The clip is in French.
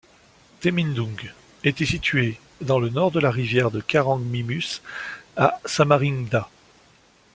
Temindung était situé dans le nord de la rivière de Karang Mumus à Samarinda.